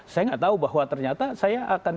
saya nggak tahu bahwa ternyata saya akan